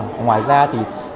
ngoài ra thì